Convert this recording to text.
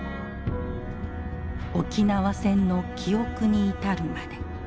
沖縄戦の記憶に至るまで。